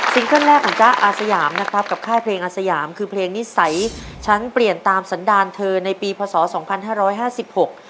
เกิ้ลแรกของจ๊ะอาสยามนะครับกับค่ายเพลงอาสยามคือเพลงนิสัยฉันเปลี่ยนตามสันดาลเธอในปีพศสองพันห้าร้อยห้าสิบหก